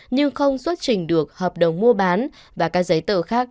nhưng không xuất trình được hợp đồng mua bán và các giấy tờ khác